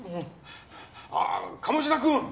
あ鴨志田君！